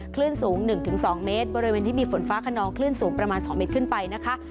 คลื่นสูง๑๒เมตรบริเวณที่มีฝนฟ้าขนองคลื่นสูงประมาณ๒เมตรขึ้นไปนะคะ